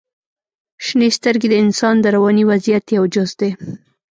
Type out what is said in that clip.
• شنې سترګې د انسان د رواني وضعیت یو جز دی.